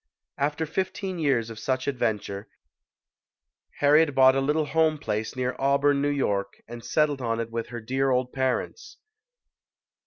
After fifteen years of such adventure, Harriet bought a little home place near Auburn, N. Y., and settled on it with her dear old parents.